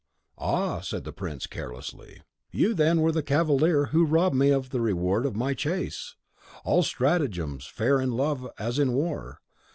"Ah!" said the prince, carelessly, "you, then, were the cavalier who robbed me of the reward of my chase. All stratagems fair in love, as in war.